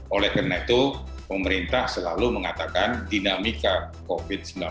oleh karena itu pemerintah selalu mengatakan dinamika covid sembilan belas